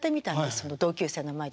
その同級生の前で。